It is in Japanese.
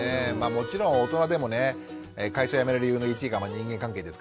もちろん大人でもね会社辞める理由の１位が人間関係ですから。